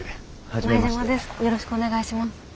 よろしくお願いします。